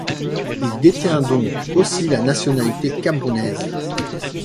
Il détient donc aussi la nationalité camerounaise.